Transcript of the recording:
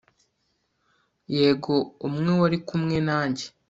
Yego umwe wari kumwe nanjye